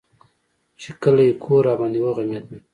چې کلى کور راباندې وغمېدل.